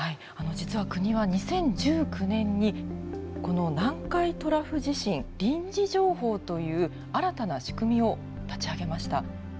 実は国は２０１９年にこの南海トラフ地震臨時情報という新たな仕組みを立ち上げました。